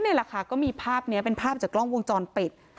นี่แหละค่ะก็มีภาพนี้เป็นภาพจากกล้องวงจรปิด